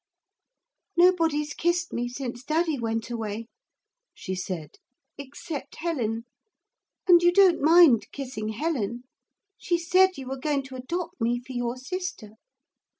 'Nobody's kissed me since daddy went away,' she said, 'except Helen. And you don't mind kissing Helen. She said you were going to adopt me for your sister.'